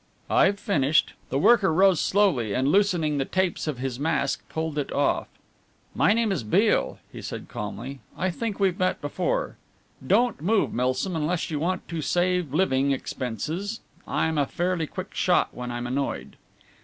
"I've finished." The worker rose slowly and loosening the tapes of his mask pulled it off. "My name is Beale," he said calmly, "I think we've met before. Don't move, Milsom, unless you want to save living expenses I'm a fairly quick shot when I'm annoyed."